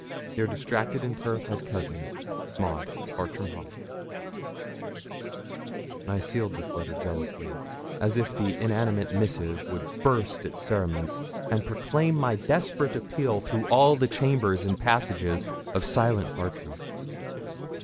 'Your distracted and terrified cousin, MAUD' 'Bartram Haugh.' I sealed this letter jealously, as if the inanimate missive would burst its cerements, and proclaim my desperate appeal through all the chambers and passages of silent Bartram.